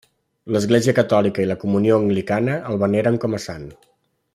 L'Església Catòlica i la Comunió Anglicana el veneren com a sant.